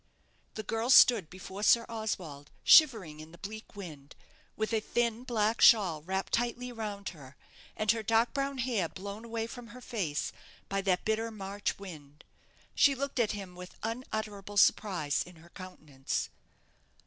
The girl stood before Sir Oswald, shivering in the bleak wind, with a thin black shawl wrapped tightly around her, and her dark brown hair blown away from her face by that bitter March wind. She looked at him with unutterable surprise in her countenance.